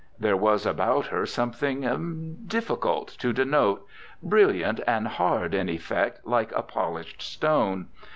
There was about her something, difficult to denote, brilliant and hard in effect, like a polished stone.